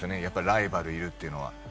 やっぱりライバルいるっていうのは。